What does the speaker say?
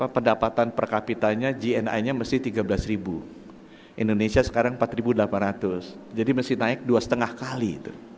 pendapatan per kapitanya gni nya mesti tiga belas indonesia sekarang empat delapan ratus jadi mesti naik dua lima kali